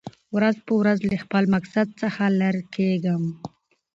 ورځ په ورځ له خپل مقصد څخه لېر کېږم .